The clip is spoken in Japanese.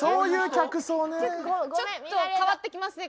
ちょっと変わってきますね。